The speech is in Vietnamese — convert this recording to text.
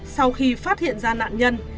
sau khi phát hiện ra nạn nhân